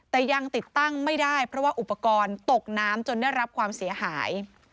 แต่ยังติดตั้งไม่ได้เพราะว่าอุปกรณ์ตกน้ำจนได้รับความเสียหาย